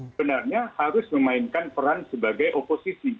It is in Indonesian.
sebenarnya harus memainkan peran sebagai oposisi